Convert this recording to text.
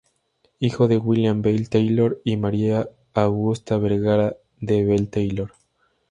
Hijo de William Bell Taylor y María Augusta Vergara de Bell Taylor.